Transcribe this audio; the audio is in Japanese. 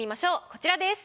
こちらです。